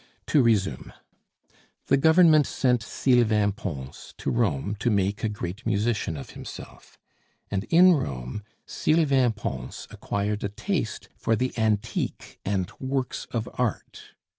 To resume. The Government sent Sylvain Pons to Rome to make a great musician of himself; and in Rome Sylvain Pons acquired a taste for the antique and works of art.